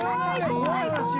怖い話よ。